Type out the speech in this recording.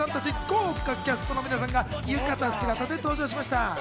豪華キャストの皆さんが浴衣姿で登場しました。